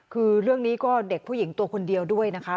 คือเรื่องนี้ก็เด็กผู้หญิงตัวคนเดียวด้วยนะคะ